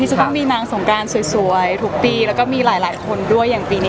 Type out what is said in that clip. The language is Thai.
ที่ที่ตอนนี้มีนางสงการสวยทุกปีก็จะมีหลายหลายคนด้วยอย่างปีนี้